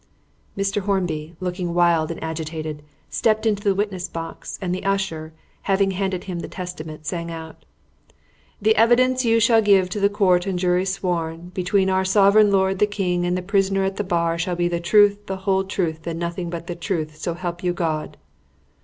Mr. Hornby, looking wild and agitated, stepped into the witness box, and the usher, having handed him the Testament, sang out "The evidence you shall give to the court and jury sworn, between our Sovereign Lord the King and the prisoner at the bar shall be the truth, the whole truth, and nothing but the truth; so help you God!"